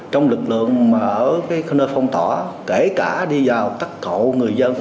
trong lực lượng mà ở nơi phong tỏa kể cả đi vào tắc cậu người dân